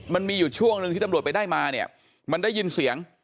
มันมีอยู่ช่วงหนึ่งที่ตำรวจไปได้มาเนี่ยมันได้ยินเสียง